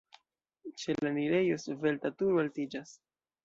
Ĉe la enirejo svelta turo altiĝas.